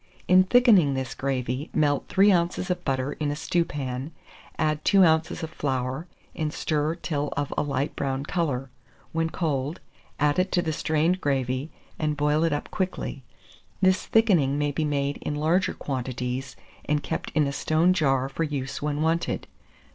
In thickening this gravy, melt 3 oz. of butter in a stewpan, add 2 oz. of flour, and stir till of a light brown colour; when cold, add it to the strained gravy, and boil it up quickly. This thickening may be made in larger quantities, and kept in a stone jar for use when wanted.